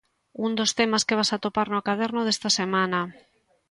Un dos temas que vas atopar no caderno desta semana.